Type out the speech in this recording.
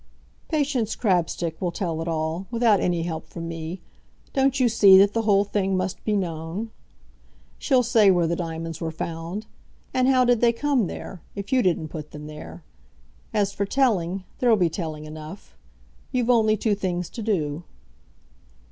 "Patience Crabstick will tell it all, without any help from me. Don't you see that the whole thing must be known? She'll say where the diamonds were found; and how did they come there, if you didn't put them there? As for telling, there'll be telling enough. You've only two things to do."